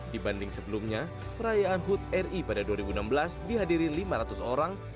dibanding sebelumnya perayaan hud ri pada dua ribu enam belas dihadiri lima ratus orang